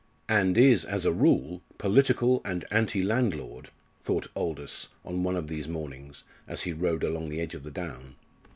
"And is as a rule political and anti landlord," thought Aldous, on one of these mornings, as he rode along the edge of the down.